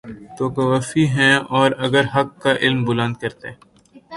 تو کوفی ہیں اور اگر حق کا علم بلند کرتے